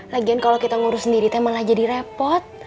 lagian kalo kita ngurus sendiri tuh emang jadi repot